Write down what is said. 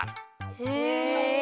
へえ。